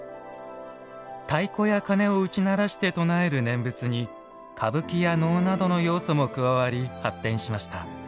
太鼓や鉦を打ち鳴らして唱える念仏に歌舞伎や能などの要素も加わり発展しました。